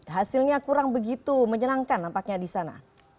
hasilnya kurang begitu menyenangkan nampaknya di sana